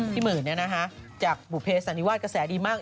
พี่หมื่นเนี่ยนะคะจากบูพเภสอาณิวาคกระแสดีมาก